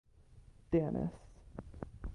Danis.